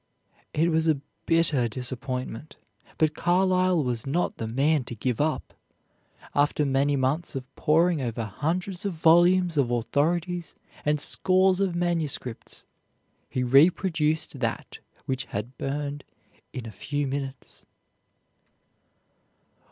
It was a bitter disappointment, but Carlyle was not the man to give up. After many months of poring over hundreds of volumes of authorities and scores of manuscripts, he reproduced that which had burned in a few minutes.